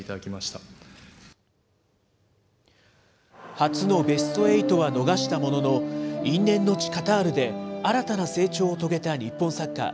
初のベストエイトは逃したものの、因縁の地、カタールで新たな成長を遂げた日本サッカー。